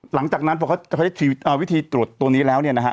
หลังจากนั้นพอเขาใช้วิธีตรวจตัวนี้แล้วเนี่ยนะฮะ